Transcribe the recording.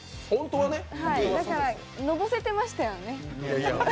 だから、のぼせてましたよね。